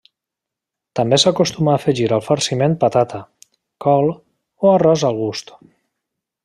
També s'acostuma a afegir al farciment patata, col o arròs al gust.